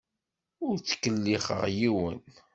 Ur ttkellixeɣ yiwen.